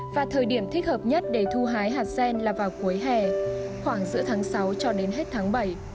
và thời điểm thích hợp nhất để thu hái hạt gen là vào cuối hè khoảng giữa tháng sáu cho đến hết tháng bảy